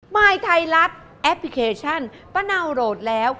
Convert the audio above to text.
มายไทยรัฐแอปพลิเคชันป้าเนาโหลดแล้ว